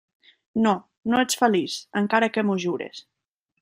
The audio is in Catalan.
No, no ets feliç..., encara que m'ho jures.